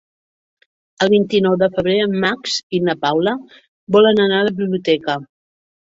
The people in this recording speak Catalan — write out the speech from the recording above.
El vint-i-nou de febrer en Max i na Paula volen anar a la biblioteca.